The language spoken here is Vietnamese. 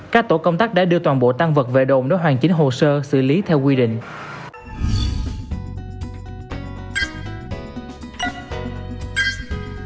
các tổ công tác đã đưa toàn bộ tăng vật về đồn để hoàn chỉnh hồ sơ xử lý theo quy định